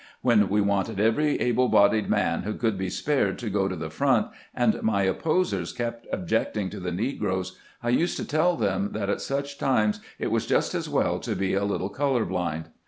"When we wanted every able bodied man who could be spared to go to the front, and my opposers kept objecting to the negroes, I used to tell them that at such times it was just as well to be a little color blind.